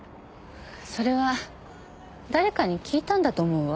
それは誰かに聞いたんだと思うわ。